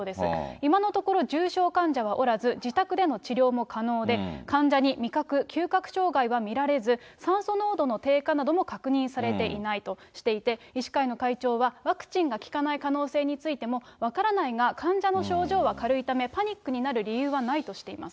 今のところ、重症患者はおらず、自宅での治療も可能で、患者に味覚、嗅覚障害は見られず、酸素濃度の低下なども確認されていないとしていて、医師会の会長は、ワクチンが効かない可能性についても、分からないが患者の症状は軽いため、パニックになる理由はないとしています。